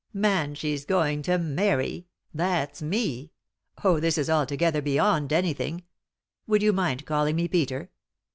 " Man she's going to marry I— that's me I oh, this is altogether beyond anything 1 Would you mind calling me Peter